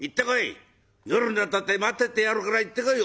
夜になったって待っててやるから行ってこい！